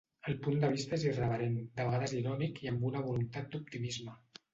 El punt de vista és irreverent, de vegades irònic i amb una voluntat d'optimisme.